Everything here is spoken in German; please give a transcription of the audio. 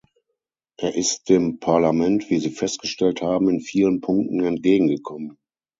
Er ist dem Parlament, wie Sie festgestellt haben, in vielen Punkten entgegengekommen.